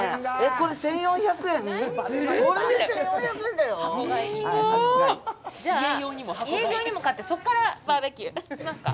これで１４００円だよじゃあ家用にも買ってそこからバーベキュー